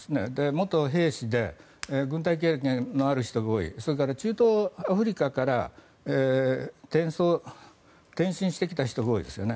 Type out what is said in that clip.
元兵士で軍隊経験のある人が多いそれから中央アフリカから転身してきた人が多いですよね